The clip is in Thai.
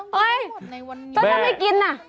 เฮ้ยแล้วถ้าไม่กินน่ะ